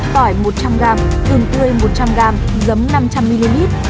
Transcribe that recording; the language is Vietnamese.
tỏi một trăm linh g tường tươi một trăm linh g giấm năm trăm linh ml